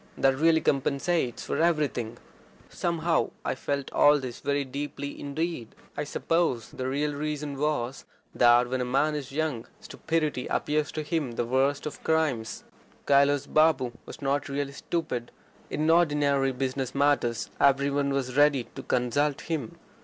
That really compensates for everything." Somehow I felt all this very deeply indeed. I suppose the real reason was, that when a man is young stupidity appears to him the worst of crimes. Kailas Babu was not really stupid. In ordinary business matters every one was ready to consult him.